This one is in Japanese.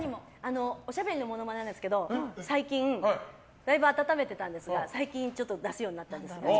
おしゃべりのモノマネなんですけどだいぶ温めてたんですが最近出すようになったんです。